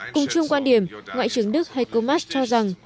cùng chung quan điểm ngoại trưởng đức heiko mars cho rằng